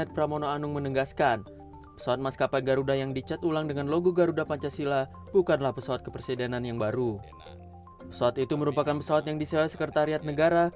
pesawat itu merupakan pesawat yang disewa sekretariat negara